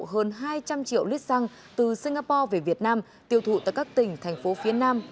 hơn hai trăm linh triệu lít xăng từ singapore về việt nam tiêu thụ tại các tỉnh thành phố phía nam